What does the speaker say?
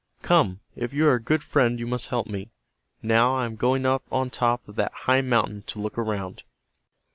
Come, if you are a good friend you must help me. Now I am going up on top of that high mountain to look around."